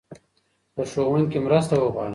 له ښوونکي مرسته وغواړه.